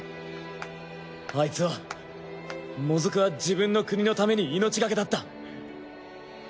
アイツはモズクは自分の国のために命がけだった。